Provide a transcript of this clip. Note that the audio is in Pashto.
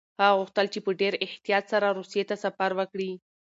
هغه غوښتل چې په ډېر احتیاط سره روسيې ته سفر وکړي.